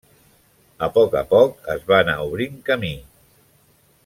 A poc a poc es va anar obrint camí.